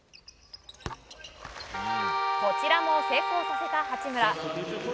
こちらも成功させた八村。